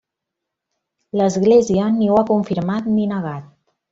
L'Església ni ho ha confirmat ni negat.